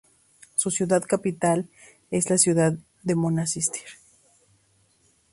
Su ciudad capital es la ciudad de Monastir.